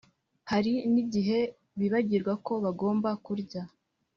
Hari nigihe bibagirwa ko bagomba kurya